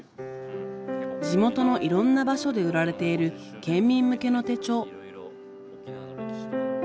地元のいろんな場所で売られている県民向けの手帳。